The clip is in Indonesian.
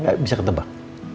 gak bisa ketebak